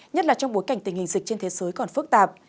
nhất là trong bối cảnh tình hình dịch trên thế giới còn phức tạp